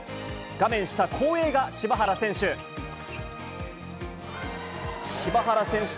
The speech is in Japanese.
画面下、後衛が柴原選手。